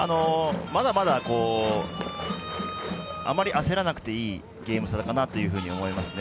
まだまだあまり焦らなくていいゲーム差かなと思いますね。